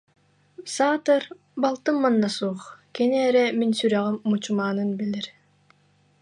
Саатар, балтым манна суох, кини эрэ мин сүрэҕим мучумаанын билэр